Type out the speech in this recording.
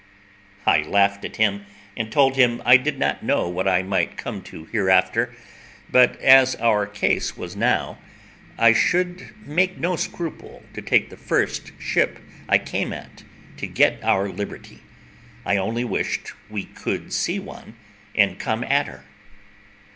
I laughed at him, and told him I did not know what I might come to hereafter, but as our case was now, I should make no scruple to take the first ship I came at to get our liberty; I only wished we could see one, and come at her.